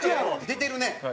出てるね。